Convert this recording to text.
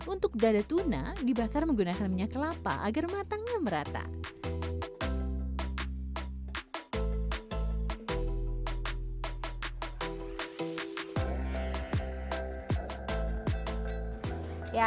untuk dada tuna dibakar menggunakan minyak kelapa agar matangnya merata